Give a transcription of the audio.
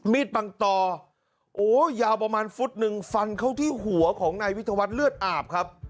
ปังตอโอ้ยาวประมาณฟุตหนึ่งฟันเข้าที่หัวของนายวิทยาวัฒน์เลือดอาบครับ